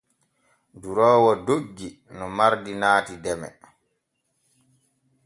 Duroowo doggi no mardi naati deme.